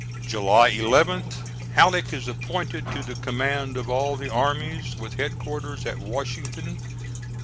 July 11th, Halleck is appointed to the command of all the armies, with headquarters at Washington.